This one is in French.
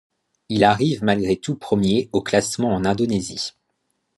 Il arrive malgré tout premier au classement en Indonésie.